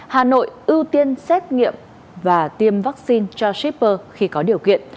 hà nội ưu tiên xét nghiệm và tiêm vaccine cho shipper khi có điều kiện